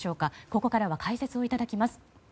ここからは解説をいただきます。